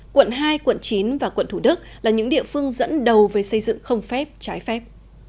quận hai quận chín và quận thủ đức là những địa phương dẫn đầu về xây dựng không phép trái phép